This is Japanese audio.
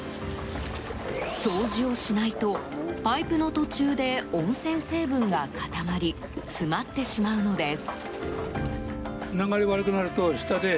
掃除をしないとパイプの途中で温泉成分が固まり詰まってしまうのです。